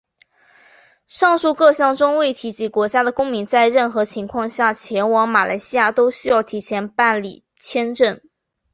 上述各项中未提及国家的公民在任何情况下前往马来西亚都需要提前办理签证。